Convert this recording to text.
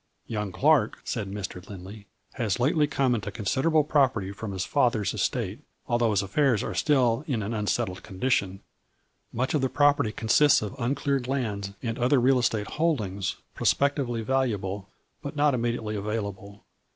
" Young Clark," said Mr. Lindley, "has lately come into considerable property from his father's estate, although his affairs are still in an unset tled condition. Much of the property consists of uncleared lands and other real estate holdings, prospectively valuable, but not immediately available.